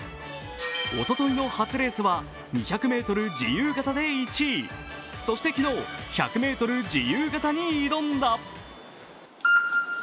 おとといの初レースは２００ｍ自由形で１位、そして昨日、１００ｍ自由形に挑んだ。